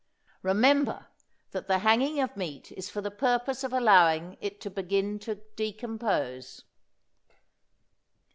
Remember that the hanging of meat is for the purpose of allowing it to begin to decompose.